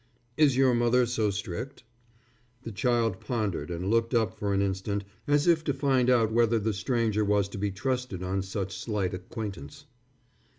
"Is your mother so strict?" The child pondered and looked up for an instant as if to find out whether the stranger was to be trusted on such slight acquaintance.